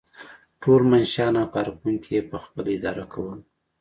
ټول منشیان او کارکوونکي یې پخپله اداره کول.